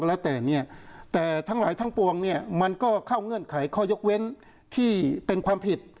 แล้วแต่เนี่ยแต่ทั้งหลายทั้งปวงเนี่ยมันก็เข้าเงื่อนไขข้อยกเว้นที่เป็นความผิด